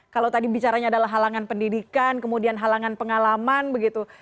kalau tadi bicaranya adalah halangan pendidikan kemudian halangan pengalaman begitu